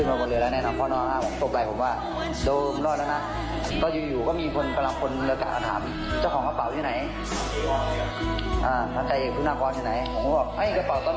เออเชื่อคนอยู่ท้ายเรือแล้วหายไปเลย